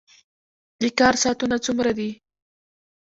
د کار ساعتونه څومره دي؟